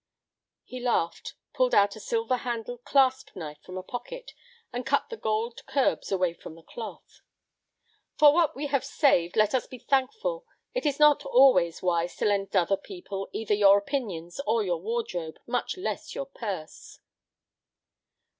He laughed, pulled out a silver handled clasp knife from a pocket, and cut the gold curbs away from the cloth. "For what we have saved, let us be thankful. It is not always wise to lend other people either your opinions or your wardrobe, much less your purse."